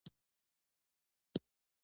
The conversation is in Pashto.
څو نور افسران به شا ته ناست ول.